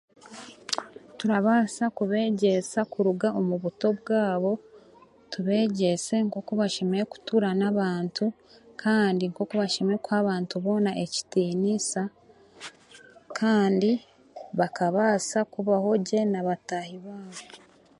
Turabaasa kubeegyeesa kuruga omu buto bwabo, tubeegyeese nk'oku bashemereire kutuuraa n'abantu, kandi nk'oku bashemereire kuha abantu boona ekitiniisa, kandi bakabaasa kubaho gye n'abataahi baabo.